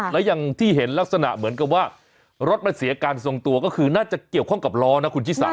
แล้วอย่างที่เห็นลักษณะเหมือนกับว่ารถมันเสียการทรงตัวก็คือน่าจะเกี่ยวข้องกับล้อนะคุณชิสา